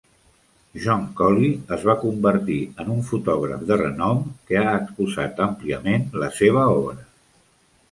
John Collie es va convertir en un fotògraf de renom que ha exposat àmpliament la seva obra.